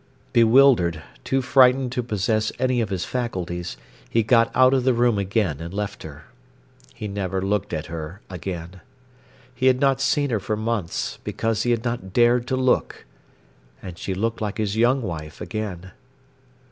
Bewildered, too frightened to possess any of his faculties, he got out of the room again and left her. He never looked at her again. He had not seen her for months, because he had not dared to look. And she looked like his young wife again.